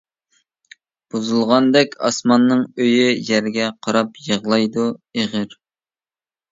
بۇزۇلغاندەك ئاسماننىڭ ئۆيى، يەرگە قاراپ يىغلايدۇ ئېغىر.